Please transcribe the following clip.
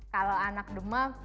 kalau anak demam